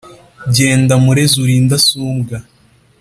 Jyenda murezi uri indasumbwa!